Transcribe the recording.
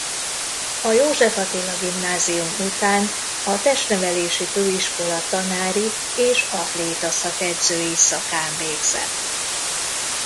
A József Attila Gimnázium után a Testnevelési Főiskola tanári és atléta szakedzői szakán végzett.